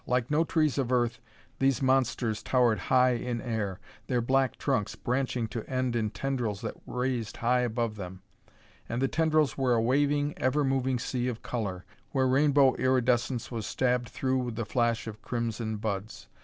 Like no trees of Earth, these monsters towered high in air, their black trunks branching to end in tendrils that raised high above them. And the tendrils were a waving, ever moving sea of color, where rainbow iridescence was stabbed through with the flash of crimson buds.